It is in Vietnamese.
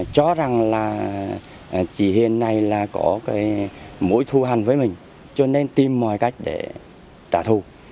chỉ hiện nay là có mỗi thu hành với mình cho nên tìm mọi cách để trả thu